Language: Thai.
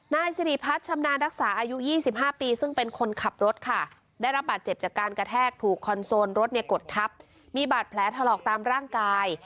นายสิริพัฒน์ชำนาญรักษาอายุ๒๕ปีซึ่งเป็นคนขับรถค่ะได้รับบาดเจ็บจากการกระแทกถูกคอนโซลรถเนี่ยกดทับมีบาดแผลถลอกตามร่างกาย